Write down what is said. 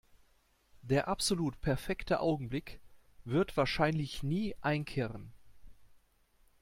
Der absolut perfekte Augenblick wird wahrscheinlich nie einkehren.